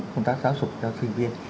công tác giáo dục cho sinh viên